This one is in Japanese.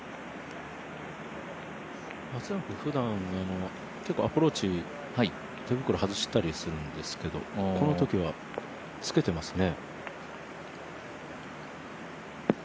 松山君、結構ふだんアプローチ、手袋外したりしてるんですけどこのときはつけていますね。